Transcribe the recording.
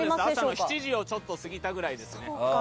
朝の７時をちょっと過ぎたくらいですね。